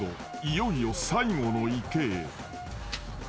いよいよ最後の池へ］